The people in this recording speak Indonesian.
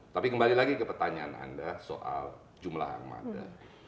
tapi kembali lagi ke pertanyaan anda soal jumlah armada